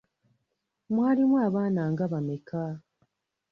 Mwalimu abaana nga bameka?